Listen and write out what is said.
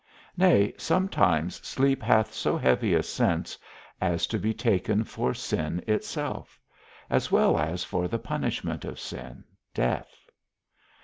Nay, sometimes sleep hath so heavy a sense, as to be taken for sin itself, as well as for the punishment of sin, death.